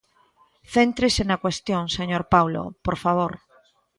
Céntrese na cuestión, señor Paulo, por favor.